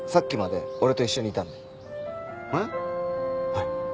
はい。